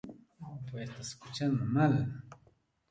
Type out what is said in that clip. Tsay chiina tipsipaamanmi.